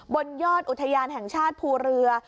บนยอดอุทยานแห่งชาติภูเรือ